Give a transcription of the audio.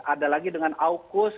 ada lagi dengan aukus